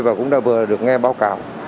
và cũng đã vừa được nghe báo cáo